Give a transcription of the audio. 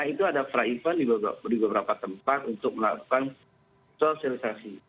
itu ada fly event di beberapa tempat untuk melakukan sosialisasi